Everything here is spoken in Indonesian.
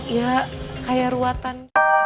ya kayak ruatan